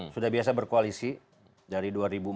sudah biasa berkoalisi dari dua ribu empat belas